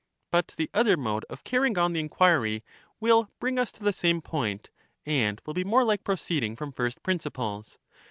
But the other mode of carrying on the in quiry will bring us to the same point, and will be more 102 LACHES like proceeding from first principles.